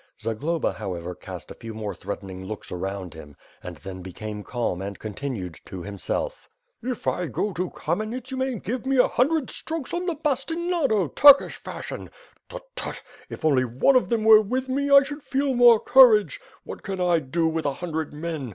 Zagloba, however, cast a few more threatening looks around him and then became calm and continued, to himself: "If I go to Kamenets you may give me a hundred strokes of the bastinado, Turkish fashion. Tut! Tut! If only one of them were with me, I should feel more courage. What can I do with a hundred men.